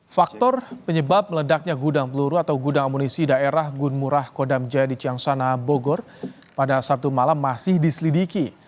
faktor penyebab meledaknya gudang peluru atau gudang amunisi daerah gun murah kodam jaya di ciangsana bogor pada sabtu malam masih diselidiki